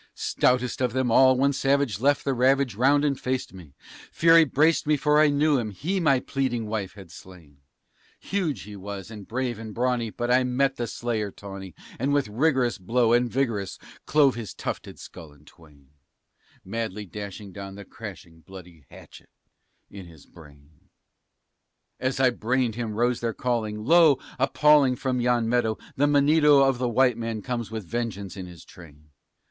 Stoutest of them all, one savage left the ravage round and faced me; Fury braced me, for I knew him he my pleading wife had slain. Huge he was, and brave and brawny, but I met the slayer tawny, And with rigorous blow, and vigorous, clove his tufted skull in twain Madly dashing down the crashing bloody hatchet in his brain. As I brained him rose their calling, "Lo! appalling from yon meadow The Monedo of the white man comes with vengeance in his train!"